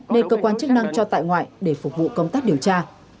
nên cơ quan chức năng cho tại ngoại để phục vụ công tác điều tra